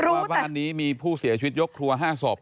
ว่าบ้านนี้มีผู้เสียชีวิตยกครัว๕ศพ